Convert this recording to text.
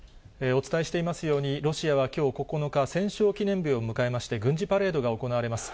お伝えしていますように、ロシアはきょう９日、戦勝記念日を迎えまして、軍事パレードが行われます。